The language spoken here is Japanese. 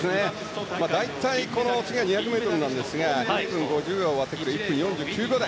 大体この次は２００ｍなんですが１分５０秒を割ってくる１分４９秒台。